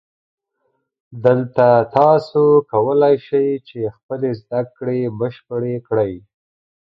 دلته تاسو کولای شئ چې خپلې زده کړې بشپړې کړئ